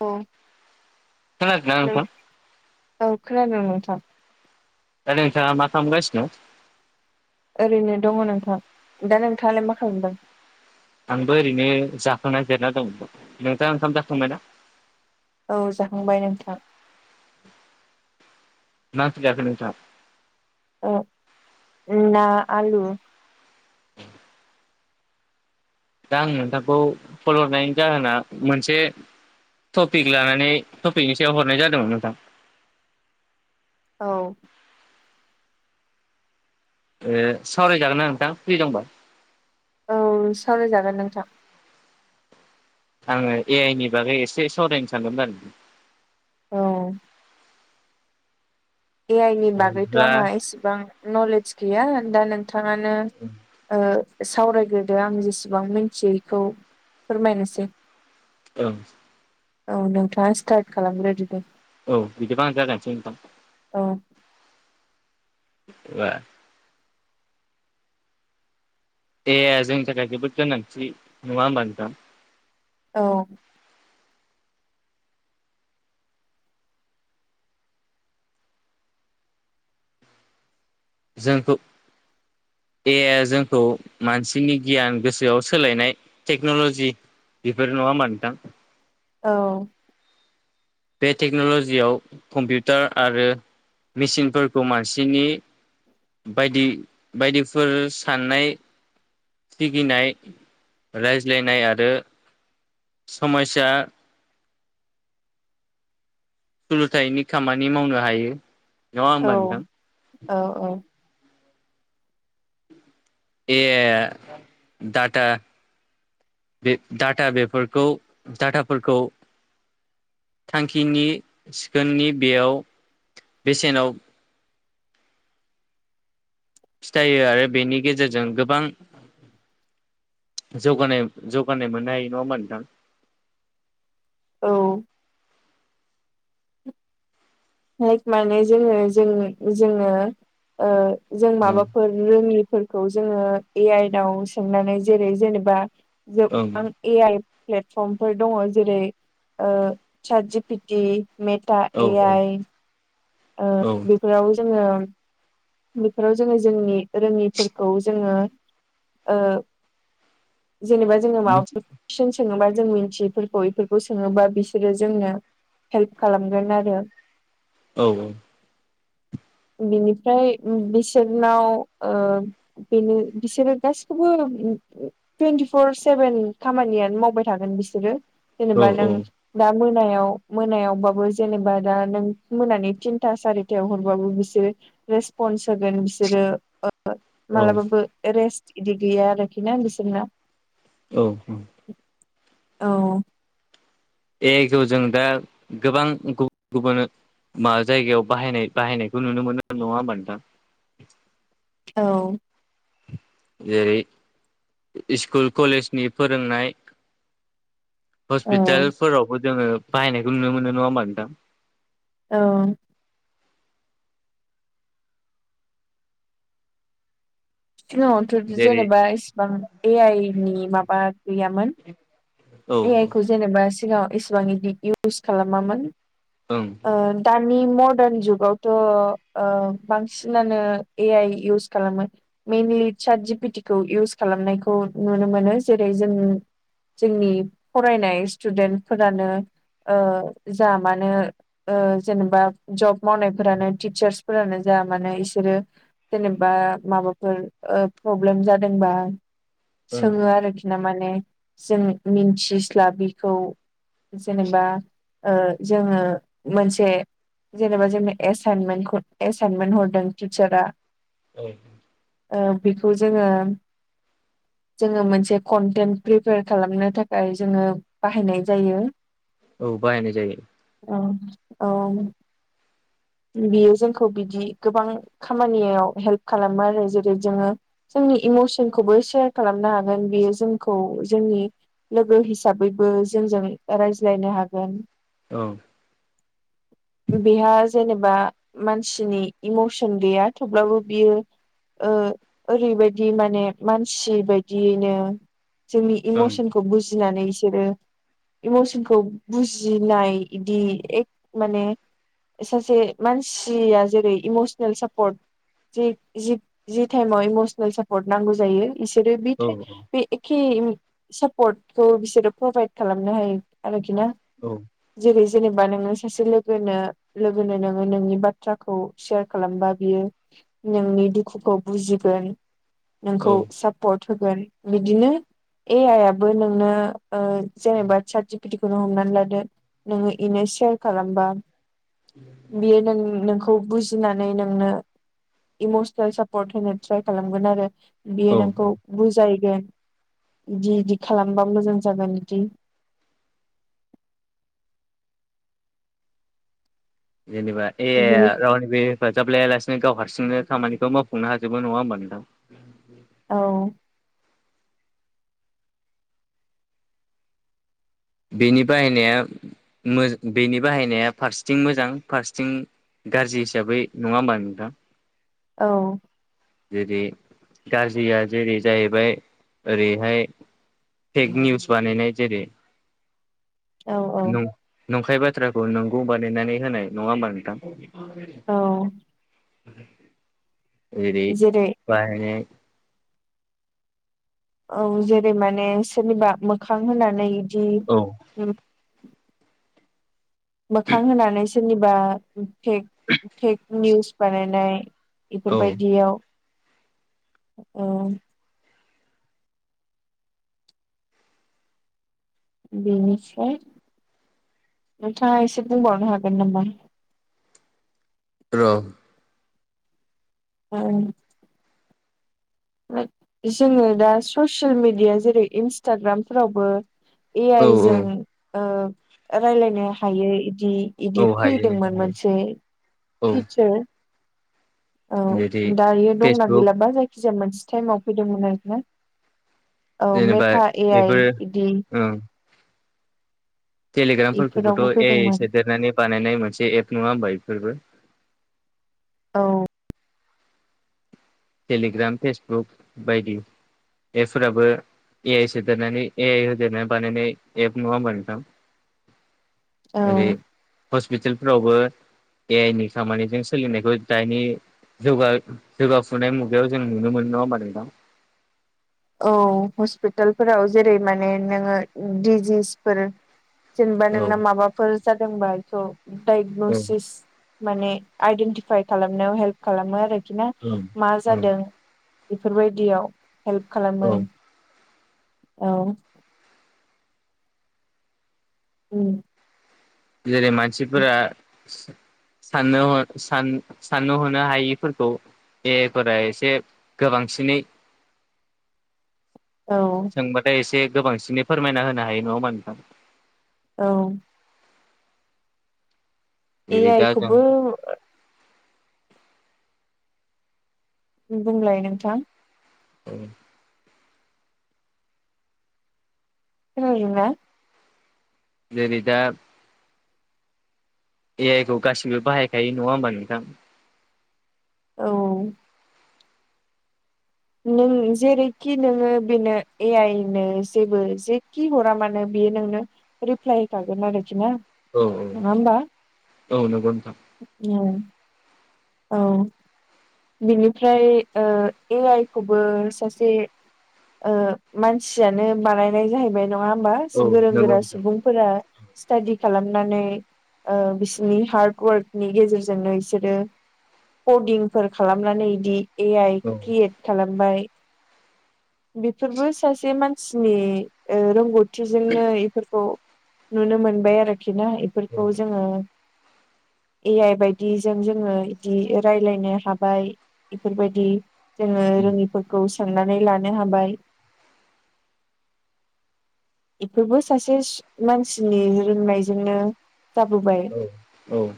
औ खोनादोंना नों नोंथां? औ खोनादों नोंथां। दा नोंथाङा मा खामगासिनो? ओरैनो दङ नोंथां दा नोंथाङालाय मा खालामदों? आंबो ओरैनो जाखांना जेरायना दं नोंथाङा ओंखाम जाखांबाय ना? औ जाखांबाय नोंथां। मा आंख्रि जाखो नोंथा? अ उम ना आलु। दा आं नोंथांखौ खल' हरनायनि जाहोना मोनसे टपिक लानानै टपिकनि सायाव हरनाय जादोंमोन नोंथां। औ। ए सावरायजागोना नोंथां फ्रि दंबा? औ सावरायजागोन नोंथां। आङो ए आइ नि बागै एसे सावरायनो सानदोंमोन आरो औ ए आइ नि बागैथ' आरो बिदिब्ला आंहा एसेबां नलेज गैया दा नों नोंथाङानो ओ सावरायग्रोदो आं जेसेबां मिथियो बेखौ फोरमायनोसै। औ। औ नोंथाङा स्टार्ट खालामग्रोदो दे। औ बिदिबा आं जागायनोसै नोंथां। औ। बा ए जोंनि थाखाय जोबोद गोनांथि नङा होमबा नोंथां। औ। जोंथ' बे जोंखौ मानसिनि गियान गोसोआव सोलायनाय टेक्नलजि। बेफोर नङा होमबा नोंथां। औ। बे टेक्नलजियाव कम्पिउटार आरो मेसिनफोरखौ मानसिनि बायदि बायदिफोर साननाय सिगिनाय, रायज्लायनाय आरो समायस्या सोलोंथाइनि खामानि मावनो हायो। नङा औ होमबा नोंथां औ औ। ए आइ आ दाटा बे डाटा बेफोरखौ डाटाफोरखौ थांखिनि सिखोननि बेयाव बेसेनाव खिथायो आरो बेनि गेजेरजों गोबां जौगानाय जौगानाय मोननो हायो नङा होमबा नोंथां। औ। लाइक माने जोङो जों जोङो ओ जों माबाफोर रोङिफोरखौ जोङो ए आइ नाव सोंनानै जेरै जेनेबा ओं जोब ए आइ प्लेटफर्मफोर दङ जेरै ओ सार्ट जि पिटि मेथ टा औ ए औ आइ ओ औ बेफोराव जोङो बेफोराव जोङो जोंनि रोङिफोरखौ जोङो ओ जेनेबा जोङो मिथि माबाफोरखौ कुइसन सोङोबा जों मिन्थियिफोरखौ इफोरखौ सोङोबा बिसोरो जोंनो हेल्प खालामगोन आरो। औ ओ। बिनिफ्राय बिसोरनाव ओ बेनो बिसोरो गासिखौबो उम टुवन्टिफर सेभेन खामानियानो मावबाय थागोन बिसोरो। औ जेनेबा नों औ दा मोनायाव मोनायावबाबो जेनेबा दा नों मोनानि थिनथा सारिथायाव हरबाबो बिसोर रेसपन्स होगोन बिसोरो ओ औ मालाबाबो रेस्ट बिदि गैया आरोखि ना बिसोरना। औ औ। औ। ए गो जों दा गोबां गुबुन गुबुन मा जायगायाव बाहायनाय बाहायनायखौ नुनो मोनो नङा होमबा नोंथां औ जेरै इस्कुल कलेजनि फोरोंनाय औ हस्पितालफोरावबो जोङो बाहायनायखौ नुनो मोनो नङा होमबा नोंथां। औ। सिगाङावथ जेरै जेनेबा इसिबां ए आइ नि माबा गैयामोन। औ ए आइ खौ जेनेबा सिगाङाव एसेबां इदि इउस खालामामोन ओं ओ दानि मर्दान जुगावथ ओ बांसिनानो ए आइ इउस खालामो मेइनलि सार्त जिपिटि खौ इउस खालामनायखौ नुनो मोनो जेरै जों जोंनि फरायनाय स्टुदेन्टफोरानो ओ जा मानो जेनेबा जब मावनायफोरानो टिचार्सफोरानो जाया मानो बिसोरो जेनेबा माबाफोर ओ प्रब्लेम जादोंबा ओं सोङो आरोखि ना माने जों मिन्थिस्लाबैखौ जेनेबा ओ जोङो मोनसे जेनेबा जोंनो एसाइमेन्टखौ एसाइनमेन्ट हरदों टिचारा औ ओ बेखौ जोङो जोङो मोनसे कनटेन्ट प्रिपेयार खालामनो थाखाय खाय जोङो बाहायनाय जायो औ बायनाय जायो औ औ बेयो जोंखौ बिदि गोबां खामानियाव हेल्प खालामो आरो जेरै जोङो जोंनि इमसनखौबो सेयार खालामनो हागोन बेयो जोंखौ जोंनि लोगो हिसाबैबो जोंजों रायज्लायनो हागोन औ बेहा जेनेबा मानसिनि इमसन गैया थेवब्लाबो बियो ओ ओरैबायदि माने मानसि बायदियैनो जोंनि ओं इमसनखौ बुजिनानै बिसोरो इमसनखौ बुजिनाय बिदि एक माने सासे मानसिया जेरै इम'सनेल सापर्ट जि जि जि टाइमाव इमसनेल सापर्ट नांगौ जायो इसोर बि औ थाइ बे एखे पर्ट खौ बिसोरो प्रभाइद खालामनो हायो आरोखि ना औ जेरै जेनेबा नोङो सासे लोगोनो लोगोनो नोङो नोंनि बाथ्राखौ सेयार खालामबा बियो नोंनि दुखुखौ बुजिगोन नोंखौ औ सापर्ट होगोन बिदिनो ए आइ आबो नोंनो ओ जेनेबा सार्टजिपितिखौनो हमनानै लादो नोङो इनो सेयार खालामबा बियो नों नोंखौ बुजि जिनानै नोंनो इमसनेल सापर्ट होनो ट्राइ खालामगोन आरो बियो औ औ नोंखौ बुजायगोन बिदि इदि खालामबा मोजां जागोन बिदि जेनबा ए बिनि [unintelligible] फाजाब लायालासिनो गाव हारसिंनो खामानिखौ मावफुंनो हाजोबो नङा होमबा नोंथां औ बेनि बाहायनाया बेनि बाहायनाया फारसेथिं मोजां फारसेथिं गाज्रि हिसाबै नङा होमबा नोंथां औ जेरै गाज्रिया जेरै जाहैबाय ओरैहाय फेक निउस बानायनाय जेरै औ औ नं-नंखाय बाथ्राखौ नोंगौ बानायनानै होनाय नङा होमबा नोंथां? औ [unintelligible] जेरै बाहायनाय औ जेरै माने सोरनिबा मोखां होनानै औ बिदि मोखां होनानै सोरनिबा फेख फेख निउस बानायनाय औ बेफोरबायदियाव बेनिफ्राय नोंथाङा एसे बुंबावनो हागोन नामा? र' औ [unintelligible] जोङो दा ससियेल मेडिया जेरै इन्सटाग्रामफोरावबो ए औ आइ औ जों ओ रायलायनो हायो इदि बिदि औ हायो नोंथां फैदोंमोन हायो मोनसे औ फिच्चार औ जेरै दायो दंना फेसबुक गैलाबा जायखिजाया मोनसे टाइमाव फैदोंमोन आरोना। औ जेनेबा मेथा ए आइ बेफोरो बिदि ओं टेलिग्रामफोरखौबोथ' इफोरावबो ए फैदोंमोन सोदेरनानै बानायनाय मोनसे एप नङा होमबा इफोरबो। औ टेलिग्राम फेसबुक बायदि एपफोराबो ए आइ सोदेरनानै ए आइ होदेरना बानायनाय एप नङा होनबा नोंथां। औ ओरै हस्पितालफोरावबो ए आइ नि खामानिजों सोलिनायखौ दानि जौगा जौगा फुनाय मुगायावों नुनोमोन नङा होनबा नोंथां? औ हस्पितालफोराव जेरै माने नोङो डिजिसफोर जेनेबा औ नोंना माबाफोर जादोंबा बेखौ औ डायगन'सिस माने आइदेन्टिफाइ खालामनायाव हेल्प खालामो आरोखि ना औ मा औ जादों बेफोरबायदियाव हेल्प खालामो। औ औ उम जेरै मानसिफोरा साननो हर सान साननो हनो हायिफोरखौ बेफोरा एसे गोबांसिनै औ सोंबाथाय एसे गोबांसिनै फोरमायना होनो हायो नङा होमबामा नोंथां? औ ए जेरै आइ दा जों खौबो बुंलाय नोंथां। उम [unintelligible] जेरै दा ए आइ खौ गासिबो बाहायखायो नङा होमबा नोंथां? औ नों जेरैखि नोङो बेनो ए आइनो जेबो जेखि हरा मानो बियो नोंनो रिप्लाय होखागोन आरोखिना। औ औ औ नोंगौ नोंथां। औ औ। बिनिफ्राय ओ ए आइ खौबो सासे ओ मानसियानो बानायनाय जाहैबाय नङा होमबा औ गोरों नंगौ गोरा नोंथां सुबुं फोरा स्टाडि खालामनानै ओ बिसनि हार्ड वार्कनि गेजेरजोंनो बिसोरो पदिं फोर खालामनानै दि ए आइ औ क्रियेट खालामबाय बेफोरबो सासे मानसिनि ओ रोंगौथि बथुजोंनो बेफोरखौ नुनो मोनबाय आरोखि ना बेफोरखौ जोङो ए आइ बायदिजों जोङो इदि रायलायनो हाबाय बेफोरबायदि जोङो रोङिफोरखौ सोंनानै लानो हाबाय। बेफोरबो सासे सु मानसिनि रोंनायजोंनो जाबोबाय। औ -औ।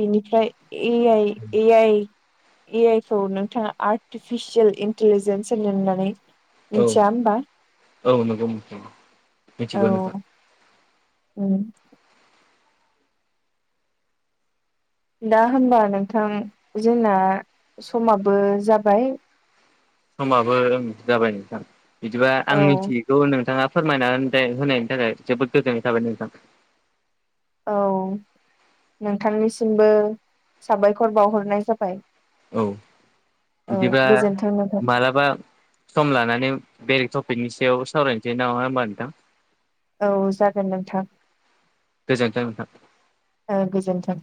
बेनिफ्राय ए आइ ए आइ ए आइ खौ नोंथाङा आर्टिफिसियेल इन्टलिजेन्स होनो होननानै औ मिथिया होमबा औ नंगौ नोंथां मिथिगौ नोंथां औ। उ। दा होम्बा नोंथां जोंना समाबो जाबाय। समाबो ओं जाबाय नोंथां बिदिबा आं औ मिथि गौ नोंथाङा फोरमायना होनथाय होनायनि थाखाय जोबोद गोजोननाय थाबाय नोंथां। औ नोंथांनिसिमबो साबायखर बावहरनाय जाबाय। औ औ बिदिबा गोजोन्थों नोंथां मालाबा सम लानानै बेलेक टपिकनि सायाव सावरायनोसै नामा होमबा नोंथां। औ जागोन नोंथां। गोजोन्थों नोंथां। ओं गोजोन्थों।